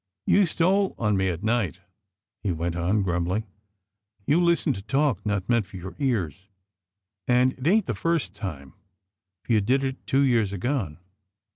" You stole on me at night," he went on, grum blingly, " you listened to talk not meant for your ears, and it ain't the first time, for you did it two years agone."